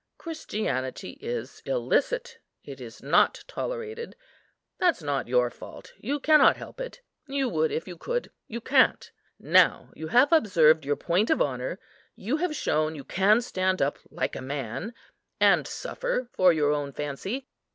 Christianity is illicit; it is not tolerated; that's not your fault; you cannot help it; you would, if you could; you can't. Now you have observed your point of honour; you have shown you can stand up like a man, and suffer for your own fancy.